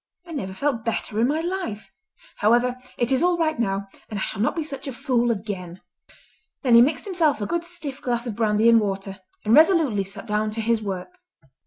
I never felt better in my life. However, it is all right now, and I shall not be such a fool again." Then he mixed himself a good stiff glass of brandy and water and resolutely sat down to his work.